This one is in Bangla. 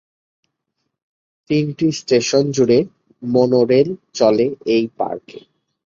তিনটে স্টেশন জুড়ে মনোরেল চলে এই পার্কে।